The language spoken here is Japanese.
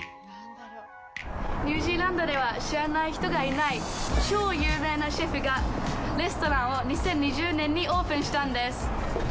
ニュージーランドでは知らない人がいない超有名なシェフがレストランを２０２０年にオープンしたんです。